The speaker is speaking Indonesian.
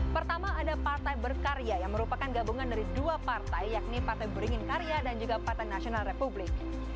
pertama ada partai berkarya yang merupakan gabungan dari dua partai yakni partai beringin karya dan juga partai nasional republik